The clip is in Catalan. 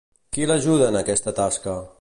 Qui l'ajuda en aquesta tasca?